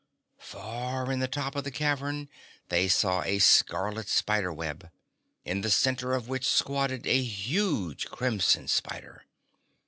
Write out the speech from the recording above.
Far in the top of the cavern they saw a scarlet spider web, in the center of which squatted a huge crimson spider.